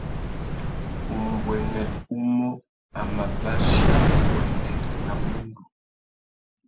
Umbuênê umô a mà bachia nguêndê râ mundu.